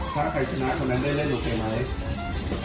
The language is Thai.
ถ้าใครชนะเค้านั้นเล่นโอเคไหม